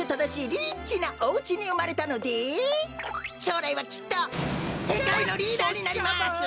リッチなおうちにうまれたのでしょうらいはきっとせかいのリーダーになります！